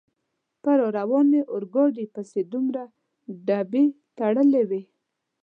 په را روانې اورګاډي پسې دومره ډبې تړلې وې.